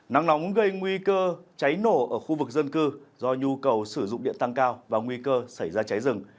nắng nóng gây nguy cơ cháy nổ ở khu vực dân cư do nhu cầu sử dụng điện tăng cao và nguy cơ xảy ra cháy rừng